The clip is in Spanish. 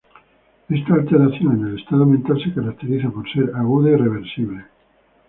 Esta alteración en el estado mental se caracteriza por ser aguda y reversible.